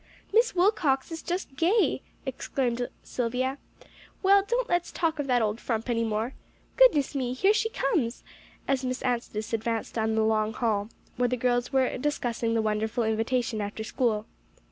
"Miss Wilcox is just gay!" exclaimed Silvia. "Well, don't let's talk of that old frump any more. Goodness me! here she comes," as Miss Anstice advanced down the long hall, where the girls were discussing the wonderful invitation after school.